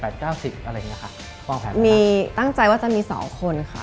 ป้องแผลไหมคะตั้งใจว่าจะมีสองคนค่ะตั้งใจว่าจะมีสองคนค่ะ